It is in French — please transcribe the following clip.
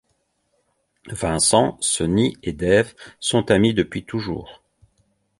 Vincent, Sonny et Dave sont amis depuis toujours.